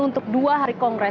untuk dua hari kongres